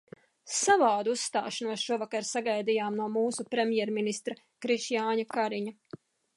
Savādu uzstāšanos šovakar sagaidījām no mūsu premjerministra Krišjāņa Kariņa.